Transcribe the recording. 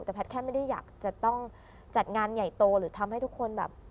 แต่แพทย์แค่ไม่ได้อยากจะต้องจัดงานใหญ่โตหรือทำให้ทุกคนแบบ